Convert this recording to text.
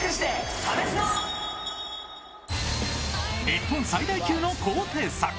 日本最大級の高低差。